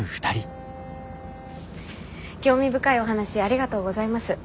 興味深いお話ありがとうございます。